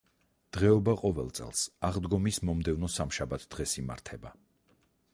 დღეობა ყოველ წელს, აღდგომის მომდევნო სამშაბათ დღეს იმართება.